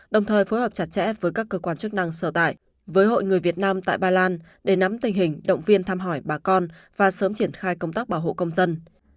đồng thời phối hợp chặt chẽ với các cơ quan chức năng sở tại với hội người việt nam tại ba lan để nắm tình hình động viên thăm hỏi bà con và sớm triển khai công tác bảo hộ công dân